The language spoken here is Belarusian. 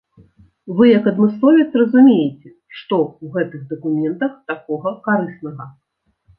Вы як адмысловец разумееце, што ў гэтых дакументах такога карыснага.